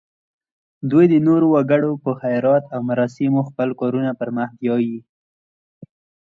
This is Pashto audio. دوی د نورو وګړو په خیرات او مرستو خپل کارونه پر مخ بیایي.